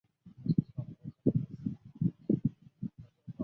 赵惠文王决定让赵奢率军救援阏与。